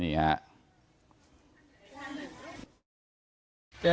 นี่ฮะ